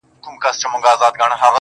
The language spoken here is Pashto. • هر څه منم پر شخصيت باندي تېرى نه منم.